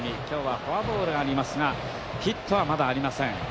今日はフォアボールありますがヒットはまだありません。